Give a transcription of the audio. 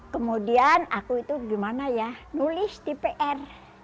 kemudian aku itu gimana ya nulis di pr